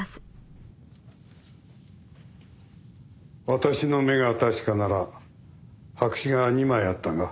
私の目が確かなら白紙が２枚あったが。